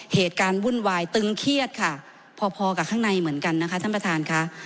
เหตุการณ์วุ่นวายตึงเครียดค่ะพอกับข้างในเหมือนกันนะคะท่านประธานค่ะ